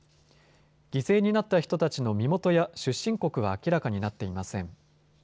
犠牲になった人たちの身元や出身国は明らかになっていません。